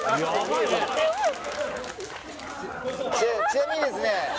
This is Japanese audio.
ちなみにですね